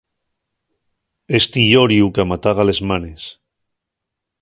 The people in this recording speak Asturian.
Esti lloriu qu'amataga les manes.